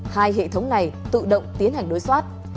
hai hệ thống này tự động tiến hành đối soát